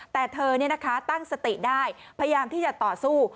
แต่เธอตั้งสติได้พยายามที่จะต่อสู้